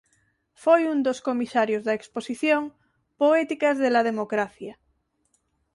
Foi un dos comisarios da Exposición "Poéticas de la democracia.